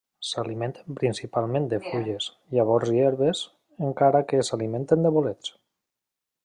S'alimenten principalment de fulles, llavors i herbes, encara que s'alimenten de bolets.